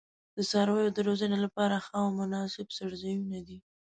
د څارویو د روزنې لپاره ښه او مناسب څړځایونه دي.